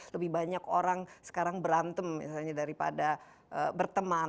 lebih banyak orang sekarang berantem misalnya daripada berteman